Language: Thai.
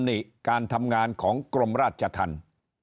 นี่การทำงานของกรมราชธรรม